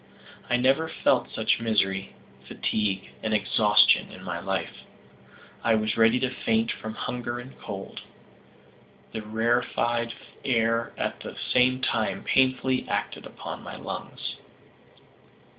I never felt such misery, fatigue and exhaustion in my life. I was ready to faint from hunger and cold. The rarefied air at the same time painfully acted upon my lungs.